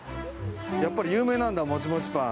やっぱり有名なんだもちもちパン。